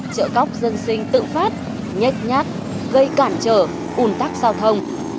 chợ cóc dân sinh tự phát nhét nhát gây cản trở ủn tắc giao thông